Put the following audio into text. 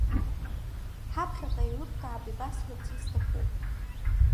Ҳаԥхьаҟа еилыбкаап ибасҳәарц исҭаху.